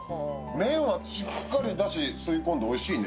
麺はしっかりだし、吸い込んでおいしいね。